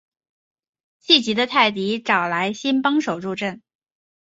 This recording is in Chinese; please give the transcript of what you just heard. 气急的泰迪找来了新帮手助阵。